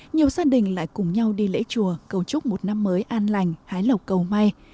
nhiều gia đình lại cùng nhau đi lễ chùa cầu chúc một năm mới an lành hái lộc cầu may